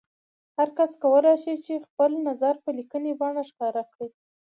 هر کس کولای شي چې خپل نظر په لیکلي بڼه ښکاره کړي.